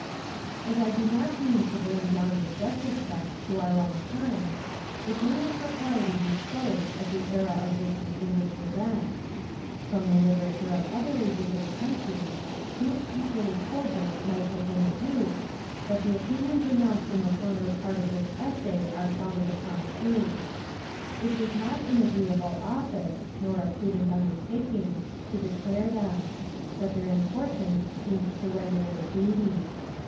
As I do not mean to bring down this retrospect to our own times, it may with propriety be closed at the era of this distinguished event. From the literature of other ages and countries, proofs equally cogent might have been adduced, that the opinions announced in the former part of this Essay are founded upon truth. It was not an agreeable office, nor a prudent undertaking, to declare them; but their importance seemed to render it a duty.